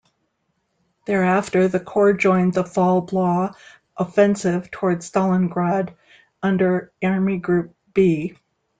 Thereafter the corps joined the "Fall Blau" offensive towards Stalingrad under Army Group B.